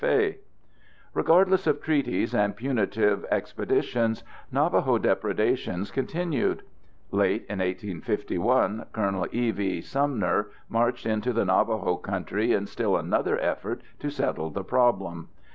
] Regardless of treaties and punitive expeditions, Navajo depredations continued. Late in 1851, Col. E. V. Sumner marched into the Navajo country in still another effort to settle the problem.